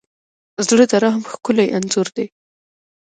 زړه د رحم ښکلی انځور دی.